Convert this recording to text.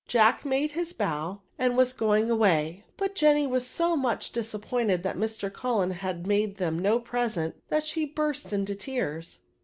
Jack made his bow, and was going away; but Jenny was so much dis appointed that Mr. Cullen had made them ntf present, that she burst into tears.